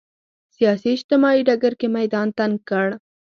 سیاسي اجتماعي ډګر کې میدان تنګ کړ